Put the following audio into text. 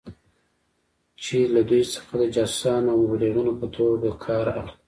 چې له دوی څخه د جاسوسانو او مبلغینو په توګه کار اخلي.